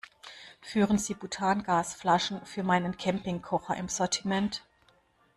Führen Sie Butangasflaschen für meinen Campingkocher im Sortiment?